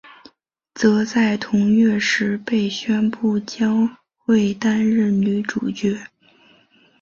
则在同月时被宣布将会担任女主角。